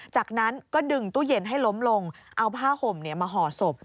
จากนั้นก็ดึงตู้เย็นให้ล้มลงเอาผ้าห่มมาห่อศพ